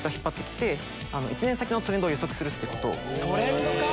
トレンドか！